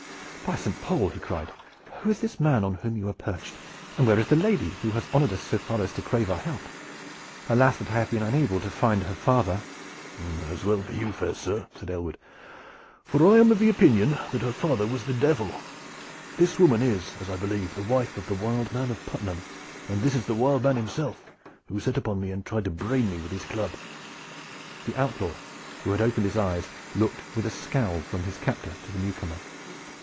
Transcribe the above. "By Saint Paul!" he cried, "who is this man on whom you are perched, and where is the lady who has honored us so far as to crave our help? Alas, that I have been unable to find her father!" "As well for you, fair sir," said Aylward, "for I am of opinion that her father was the Devil. This woman is, as I believe, the wife of the 'Wild Man of Puttenham,' and this is the 'Wild Man' himself who set upon me and tried to brain me with his club." The outlaw, who had opened his eyes, looked with a scowl from his captor to the new comer.